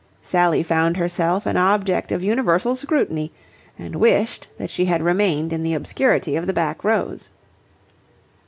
Sally found herself an object of universal scrutiny and wished that she had remained in the obscurity of the back rows.